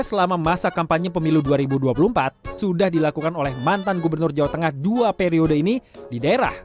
selama masa kampanye pemilu dua ribu dua puluh empat sudah dilakukan oleh mantan gubernur jawa tengah dua periode ini di daerah